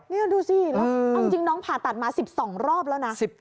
นี่ดูสิจริงน้องผ่าตัดมา๑๒รอบแล้วนะ